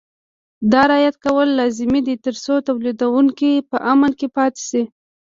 دا رعایت کول لازمي دي ترڅو تولیدوونکي په امن کې پاتې شي.